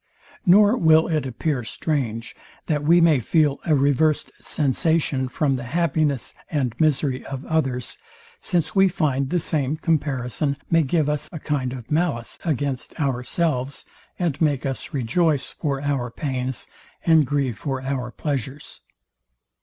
Nor will it appear strange, that we may feel a reverst sensation from the happiness and misery of others; since we find the same comparison may give us a kind of malice against ourselves, and make us rejoice for our pains, and grieve for our pleasures.